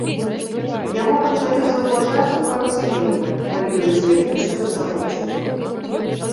Яго пачалі заўважаць у канцы лета, калі ён з'явіўся на заводзе.